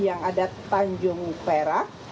yang ada tanjung perak